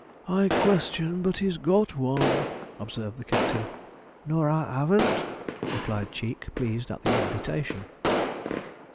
'I question but he's got one,' observed the captain. 'No, ar haven't,' replied Cheek, pleased at the imputation.